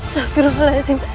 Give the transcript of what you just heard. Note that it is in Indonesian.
tidak ada yang bisa diberikan